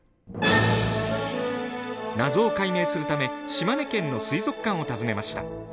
謎を解明するため島根県の水族館を訪ねました。